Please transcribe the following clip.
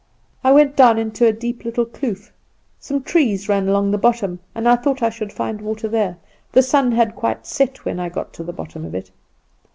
I went down into a deep little kloof. Some trees ran along the bottom, and I thought I should find water there. The sun had quite set when I got to the bottom of it.